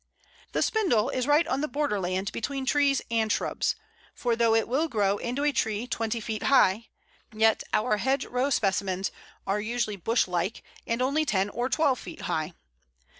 The Spindle is right on the borderland between trees and shrubs, for though it will grow into a tree twenty feet high, yet our hedgerow specimens are usually bushlike, and only ten or twelve feet high.